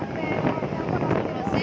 gep orang mesin